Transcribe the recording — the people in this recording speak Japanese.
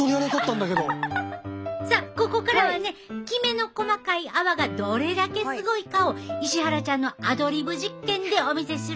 さあここからはねきめの細かい泡がどれだけすごいかを石原ちゃんのアドリブ実験でお見せする